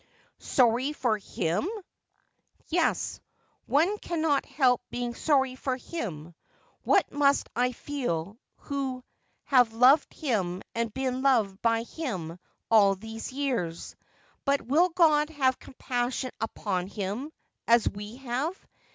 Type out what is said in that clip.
' Sorry for him 1 — yes, one cannot help being sorry for him. What must I feel, who have loved him and been loved by him all these years 1 But will God have compassion upon him, as we have